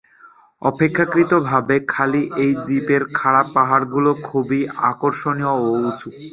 অপেক্ষাকৃতভাবে খালি এই দ্বীপের খাড়া পাহাড়গুলো খুবই আকর্ষণীয় ও উঁচু।